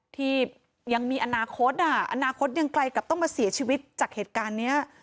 ที่ยังมีอนาคตอ่ะอนาคตยังไกลกับต้องมาเสียชีวิตจากเหตุการณ์นี้